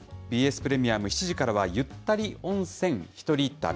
ＢＳプレミアム、７時からはゆったり温泉ひとり旅。